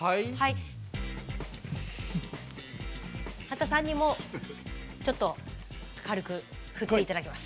刄田さんにもちょっと軽く振って頂きます。